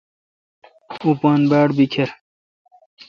اوں پان باڑ بیکر